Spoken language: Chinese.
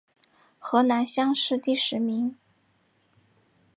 河南乡试第十名。